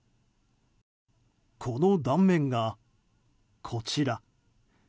この断面がこちら。